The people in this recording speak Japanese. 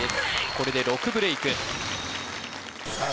これで６ブレイクさあ